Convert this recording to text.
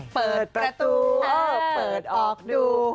เปิดประตูเปิดออกดู